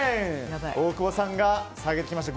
大久保さんが下げてきました